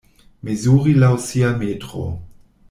Mezuri laŭ sia metro.